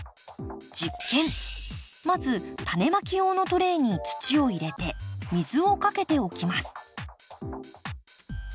まず種まき用のトレーに土を入れて水をかけておきます。